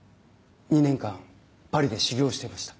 ２年間パリで修業をしていました。